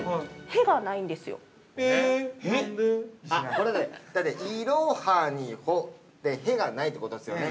これねだって「いろはにほ」で「へ」がないということですよね？